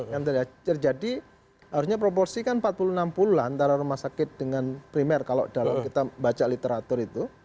yang terjadi harusnya proporsi kan empat puluh enam puluh lah antara rumah sakit dengan primer kalau kita baca literatur itu